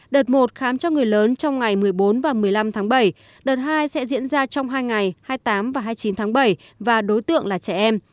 đợt một khám cho người lớn trong ngày một mươi bốn và một mươi năm tháng bảy đợt hai sẽ diễn ra trong hai ngày hai mươi tám và hai mươi chín tháng bảy và đối tượng là trẻ em